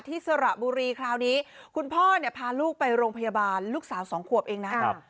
สระบุรีคราวนี้คุณพ่อเนี่ยพาลูกไปโรงพยาบาลลูกสาวสองขวบเองนะครับ